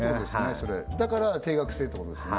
それだから定額制ってことですね